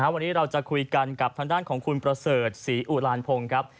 วันนี้เราจะคุยกันกับทางด้านของคุณประเสริฐศรีอุลานพงศ์ครับ